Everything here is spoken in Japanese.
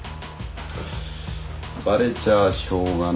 バレちゃしょうがないなぁ。